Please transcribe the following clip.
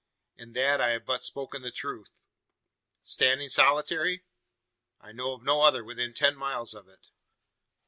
"In that I have but spoken the truth." "Standing solitary?" "I know of no other within ten miles of it."